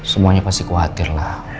semuanya pasti khawatirlah